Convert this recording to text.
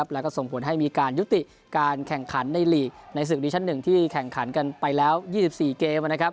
แล้วก็ส่งผลให้มีการยุติการแข่งขันในลีกในศึกดิชั่น๑ที่แข่งขันกันไปแล้ว๒๔เกม